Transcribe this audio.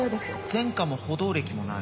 前科も補導歴もない。